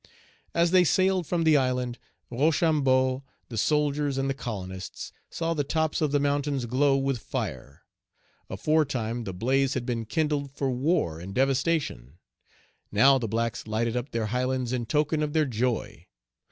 As they sailed from the island, Rochambeau, the soldiers, and the colonists saw the tops of the mountains glow with fire. Aforetime the blaze had been kindled for war and devastation; now the blacks lighted up their highlands in token of their joy.